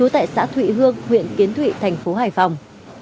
tại xã thụy hương huyện kiến thụy thành phố hải phòng